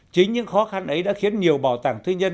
chính những khó khăn ấy đã khiến nhiều bảo tàng thư nhân